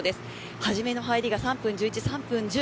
初めの入りは３分１１３分１０